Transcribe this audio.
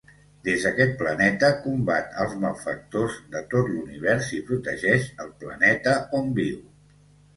Des d'aquest planeta, combat als malfactors de tot l'univers, i protegeix el planeta on viu.